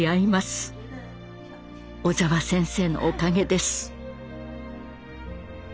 小澤先生のおかげです。